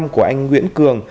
của anh nguyễn cường